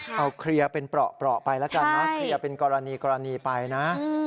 เอาเคลียร์เป็นเผาไปล่ะโดยเป็นกรณีไปนะ